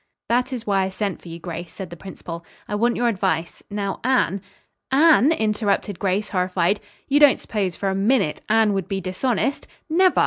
"That is why I sent for you, Grace," said the principal. "I want your advice. Now Anne " "Anne?" interrupted Grace horrified. "You don't suppose, for a minute, Anne would be dishonest? Never!